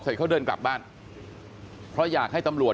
เสร็จเขาเดินกลับบ้านเพราะอยากให้ตำรวจ